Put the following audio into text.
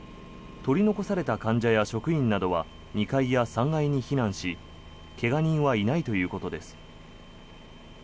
取り残された患者や職員などは２階や３階に避難し怪我人はいないということです。